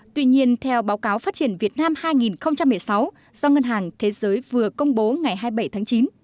tuy nhiên theo báo cáo phát triển việt nam hai nghìn một mươi sáu do ngân hàng thế giới vừa công bố ngày hai mươi bảy tháng chín